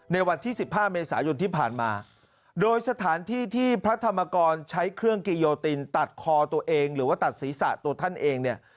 ในวันที่๑๕เมษายนที่ผ่านมาโดยสถานที่ที่พระธรรมกรใช้เครื่องกิโยตินตัดคอตัวเองหรือว่าตัดศีรษะตัวท่านเองเนี่ย